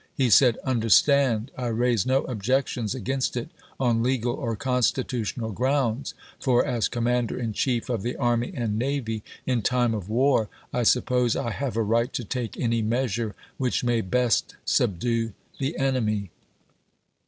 He said :" Under stand, I raise no objections against it on legal or ^ constitutional grounds, for, as Commander in Chief of the Army and Navy, in time of war I suppose I have a right to take any measure which may best subdue the enemy."